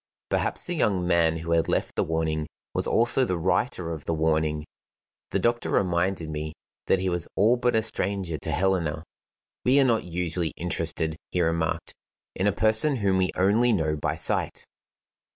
Perhaps the young man who had left the warning was also the writer of the warning. The doctor reminded me that he was all but a stranger to Helena. "We are not usually interested," he remarked, "in a person whom we only know by sight."